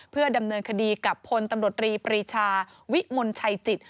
เพื่อดำเนินคดีกับพลตำรวจรีปรีชาวิมลชัยจิต